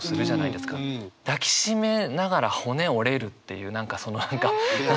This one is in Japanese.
抱きしめながら骨折れるっていう何かその。